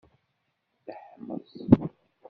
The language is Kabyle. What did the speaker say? Ddehmeẓ.